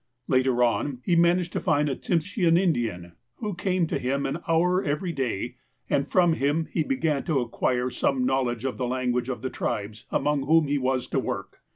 Later on, he managed to find a Tsimshean Indian, who came to him an hour every day, and from him he began to acquire some knowledge of the language of the tribes among whom he was to work.